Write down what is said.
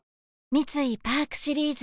三井パークシリーズ